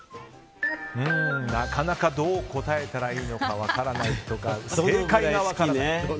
なかなかどう答えたらいいのか分からないとか正解が分からない。